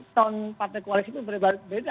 ton partai koalisi itu berbeda beda